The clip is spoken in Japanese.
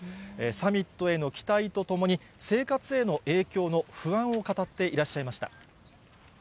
サミットへの期待とともに、生活への影響の不安を語っていらっしゃいました。